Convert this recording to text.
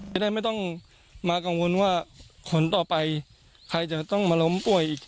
จะได้ไม่ต้องมากังวลว่าคนต่อไปใครจะต้องมาล้มป่วยอีก